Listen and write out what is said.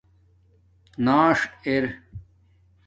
نݳݽ ار